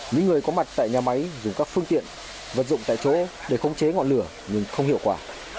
những người có mặt tại nhà máy dùng các phương tiện vật dụng tại chỗ để không chế ngọn lửa nhưng không hiệu quả